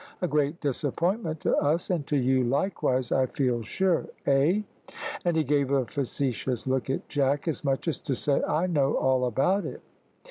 A great disappointment to us, and to you likewise, I feel sure, eh!" and he gave a facetious look at Jack, as much as to say. "I know all about it."